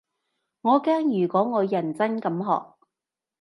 我驚如果我認真咁學